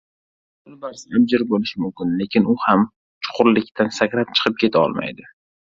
yo‘lbars abjir bo‘lishi mumkin, lekin u ham chuqurlikdan sakrab chiqib keta olmaydi.